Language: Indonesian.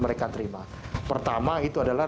mereka terima pertama itu adalah